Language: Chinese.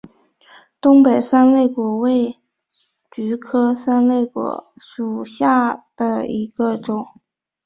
东北三肋果为菊科三肋果属下的一个种。